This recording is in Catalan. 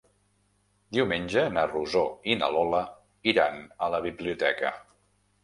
Diumenge na Rosó i na Lola iran a la biblioteca.